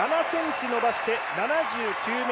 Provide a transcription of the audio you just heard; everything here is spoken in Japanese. ７ｃｍ伸ばして７９ｍ３３。